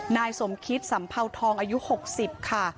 นายสมคิตสำพาวทองอายุหกสิบค่ะ